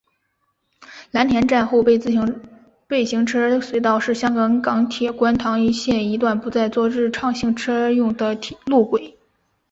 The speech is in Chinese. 蓝田站后备行车隧道是香港港铁观塘线一段不再作日常行车用的路轨。